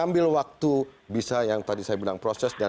ini dilakukan atau dianggapnya ada dua hal tertentu bagi harga berkaitan dengan